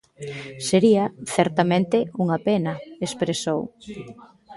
Sería, certamente, unha pena, expresou.